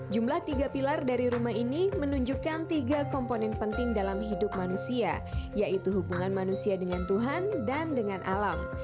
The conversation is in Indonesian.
jumlah tiga pilar dari rumah ini menunjukkan tiga komponen penting dalam hidup manusia yaitu hubungan manusia dengan tuhan dan dengan alam